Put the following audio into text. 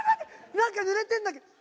なんかぬれてんだけど。